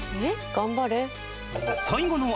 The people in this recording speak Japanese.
「頑張れ」。